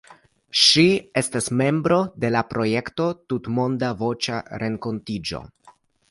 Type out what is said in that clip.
Ŝi estas membro de la projekto "Tutmonda Voĉa Renkontiĝo".